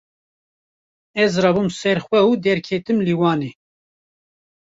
Ez rabûm ser xwe û derketim lîwanê.